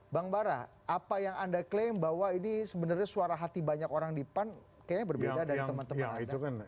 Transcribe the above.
bang bara apa yang anda klaim bahwa ini sebenarnya suara hati banyak orang di pan kayaknya berbeda dari teman teman anda